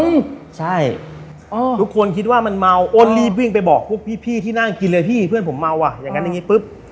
อืมใช่อ๋อทุกคนคิดว่ามันเมาอ้นรีบวิ่งไปบอกพวกพี่พี่ที่นั่งกินเลยพี่เพื่อนผมเมาอ่ะอย่างงั้นอย่างงี้ปุ๊บ